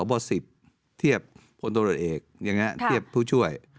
ของบอส๑๐เทียบคนตัวเนิดเอกอย่างนี้เทียบผู้ช่วย